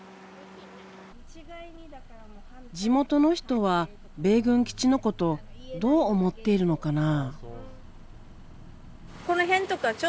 地元の人は米軍基地のことどう思っているのかな。